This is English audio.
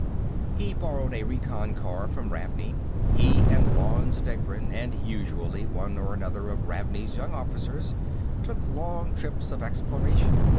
He borrowed a reconn car from Ravney; he and Lanze Degbrend and, usually, one or another of Ravney's young officers, took long trips of exploration.